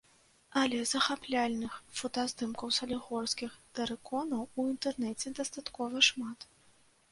Але захапляльных фотаздымкаў салігорскіх тэрыконаў у інтэрнэце дастаткова шмат.